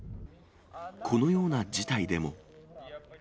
このような事態でも。